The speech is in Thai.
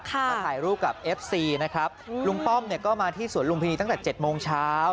มาถ่ายรูปกับเอฟซีนะครับลุงป้อมเนี่ยก็มาที่สวนลุมพินีตั้งแต่๗โมงเช้า